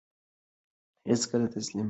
هیڅکله تسلیم نه شو.